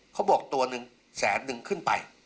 เขาบอกตัวหนึ่งแสนนึงขึ้นไป